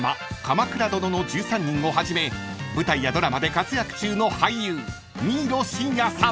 『鎌倉殿の１３人』をはじめ舞台やドラマで活躍中の俳優新納慎也さん］